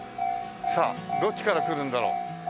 さあどっちから来るんだろう？